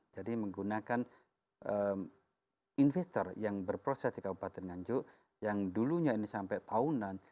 jadi menggunakan investor yang berproses di kabupaten nganjuk yang dulunya ini sampai tahunan